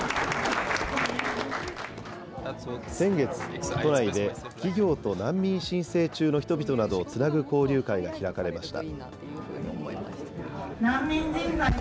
先月、都内で企業と難民申請中の人々などをつなぐ交流会が開かれました。